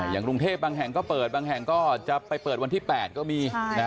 อย่างกรุงเทพบางแห่งก็เปิดบางแห่งก็จะไปเปิดวันที่๘ก็มี